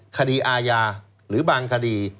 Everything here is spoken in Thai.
คดีอาญาหรือบางคดี